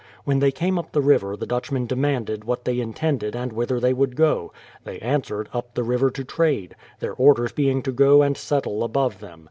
When they came up the river the Dutchmen demanded what they intended and whither they would go ; they answered up the river to trade, — their orders being to go and settle above them.